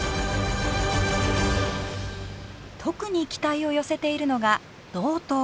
特に期待を寄せているのが道東。